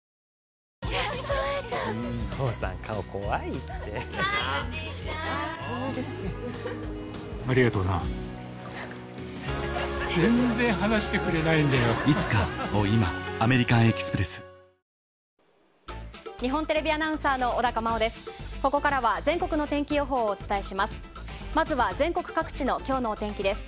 ここからは全国の天気予報をお伝えします。